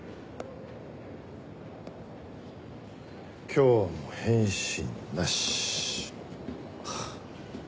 今日も返信なし。